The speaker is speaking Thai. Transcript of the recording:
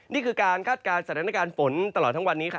นี่คือการคาดการณ์สถานการณ์ฝนตลอดทั้งวันนี้